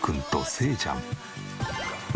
せいちゃん。